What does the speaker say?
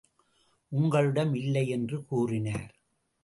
உங்களிடம் இல்லை என்று கூறினார்.